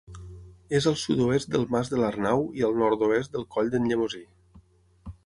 És al sud-oest del Mas de l'Arnau i al nord-oest del Coll d'en Llemosí.